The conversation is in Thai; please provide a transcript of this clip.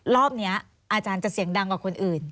รอบนี้อาจารย์จะเสียงดังกว่าคนอื่น